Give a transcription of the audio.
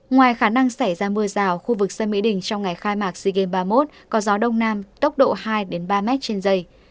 ngoài khả năng xảy ra mưa rào khu vực sân mỹ đình trong ngày khai mạc sea games ba mươi một có gió đông nam tốc độ hai ba m trên dây